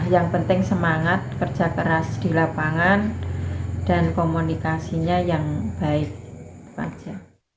yang penting semangat kerja keras di lapangan dan komunikasinya yang baik aja